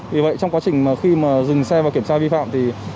vì vậy trong quá trình dừng xe và kiểm tra vi phạm